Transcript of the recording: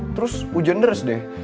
terus hujan deres deh